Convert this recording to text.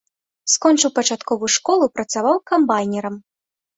Скончыў пачатковую школу, працаваў камбайнерам.